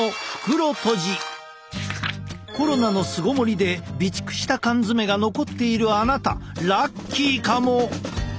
コロナの巣ごもりで備蓄した缶詰が残っているあなたラッキーかも！